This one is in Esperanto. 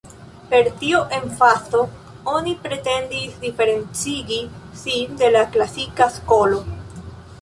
Per tiu emfazo oni pretendis diferencigi sin de la klasika skolo.